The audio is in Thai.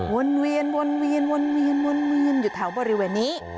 วนเวียนอยู่แถวบริเวณนี้